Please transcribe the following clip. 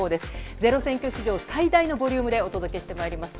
ｚｅｒｏ選挙史上最大のボリュームでお届けしてまいります。